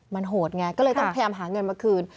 มันโหดไงก็เลยต้องพยายามหาเงินมาคืน